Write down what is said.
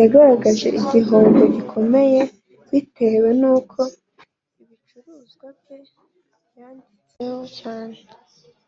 Yagaragaje igihombo gikomeye bitewe nuko ibicuruzwa bye byangiritse cyane